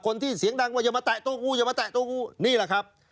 คนที่เสียงดังว่าอย่ามาแตะตัวกู้นี่แหละครับ